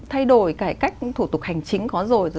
thay đổi cải cách thủ tục hành chính có rồi